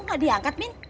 kok gak diangkat min